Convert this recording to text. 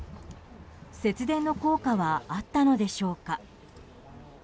節電の効果はあったのでしょうか。